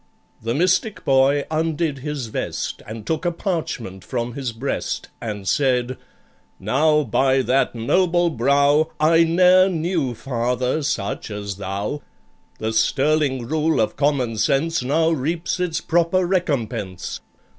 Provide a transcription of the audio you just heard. The Mystic Boy undid his vest, And took a parchment from his breast, And said, "Now, by that noble brow, I ne'er knew father such as thou! The sterling rule of common sense Now reaps its proper recompense.